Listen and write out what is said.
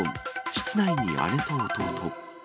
室内に姉と弟。